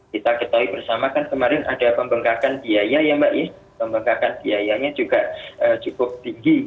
kita ketahui bersama kan kemarin ada pembengkakan biaya ya mbak ya pembengkakan biayanya juga cukup tinggi